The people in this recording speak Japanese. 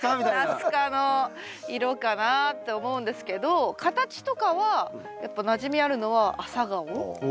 ナス科の色かなって思うんですけど形とかはやっぱなじみあるのはお。